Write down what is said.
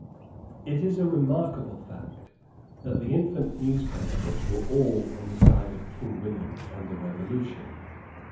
It is a remarkable fact that the infant newspapers were all on the side of King William and the Revolution.